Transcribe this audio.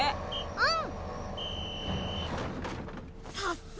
うん！